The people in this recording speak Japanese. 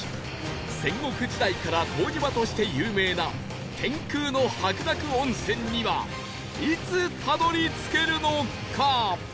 戦国時代から湯治場として有名な天空の白濁温泉にはいつたどり着けるのか？